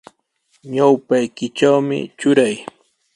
Ñawpaykitrawmi truray.